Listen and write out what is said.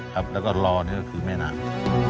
ครับแล้วก็รอนี่ก็คือแม่น้ำ